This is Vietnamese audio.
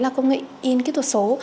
là công nghệ in kết thúc số